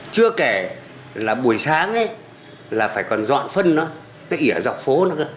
chưa kể là buổi sáng ấy là phải còn dọn phân nó nó ỉa dọc phố nó cơ